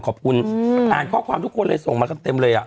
ขอบคุณอ่านข้อความทุกคนเลยส่งมากันเต็มเลยอ่ะ